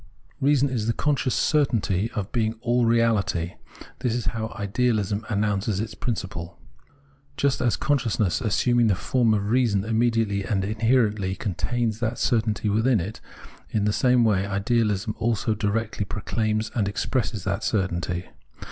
Reason is the conscious certamty of being all reaUty. This is how Ideahsm announces its principle.* Just as consciousness assuming the form of reason immediately and inherently contains that certainty within it, in the same way ideahsm also directly proclaims and expresses that certainty.